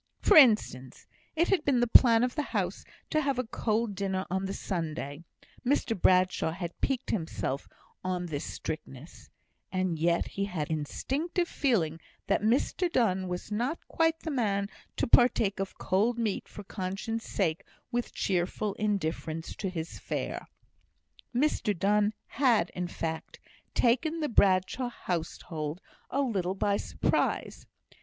For instance, it had been the plan of the house to have a cold dinner on the Sundays Mr Bradshaw had piqued himself on this strictness and yet he had an instinctive feeling that Mr Donne was not quite the man to partake of cold meat for conscience' sake with cheerful indifference to his fare. Mr Donne had, in fact, taken the Bradshaw household a little by surprise.